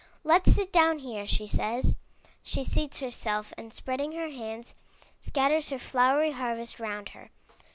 *Tet*s sit down here/* she says. She seats herself, and, spreading her hands, scat ters her flowery harvest round her.